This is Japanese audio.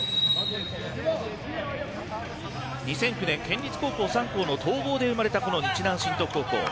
２００９年県立高校３校の統合で生まれた日南振徳高校。